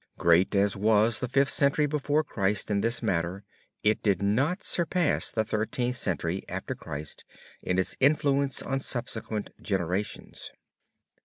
Great as was the Fifth Century before Christ in this matter it did not surpass the Thirteenth Century after Christ in its influence on subsequent generations.